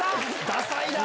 ださいな。